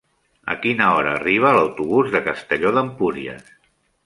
A quina hora arriba l'autobús de Castelló d'Empúries?